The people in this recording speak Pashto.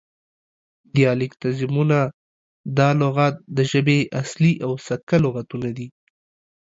دیالیکتیزمونه: دا لغات د ژبې اصلي او سکه لغتونه دي